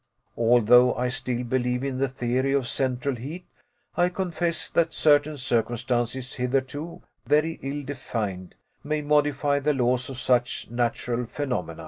Although I still believe in the theory of central heat, I confess that certain circumstances, hitherto very ill defined, may modify the laws of such natural phenomena.